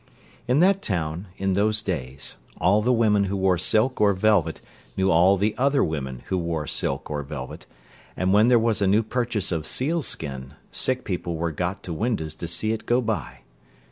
In that town, in those days, all the women who wore silk or velvet knew all the other women who wore silk or velvet, and when there was a new purchase of sealskin, sick people were got to windows to see it go by.